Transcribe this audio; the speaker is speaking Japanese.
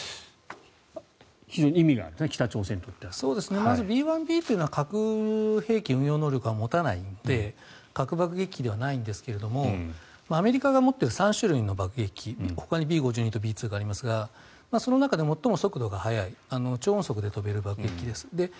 まずＢ１Ｂというのは核兵器運用能力は持たないので核爆撃機ではないんですがアメリカが持っている３種類の爆撃機ほかにＢ５２とＢ２がありますがその中で最も速度が速い超音速で飛べる爆撃機です。